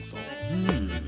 うん。